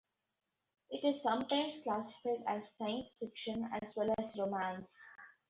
It is sometimes classified as science fiction as well as romance.